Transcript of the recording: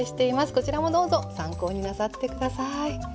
こちらもどうぞ参考になさって下さい。